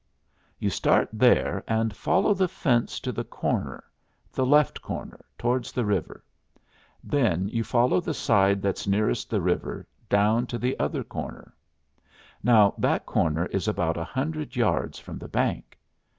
"You start there and follow the fence to the corner the left corner, towards the river. Then you follow the side that's nearest the river down to the other corner. Now that corner is about a hundred yards from the bank.